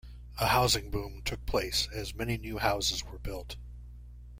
A housing boom took place as many new houses were built.